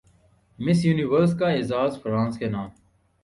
مس Universe کا اعزاز France کے نام